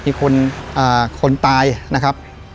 มีคนคนตายนะครับ